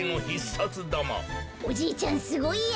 おじいちゃんすごいや。